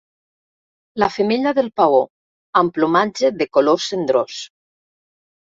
La femella del paó, amb plomatge de color cendrós.